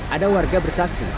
ada warga bersaksi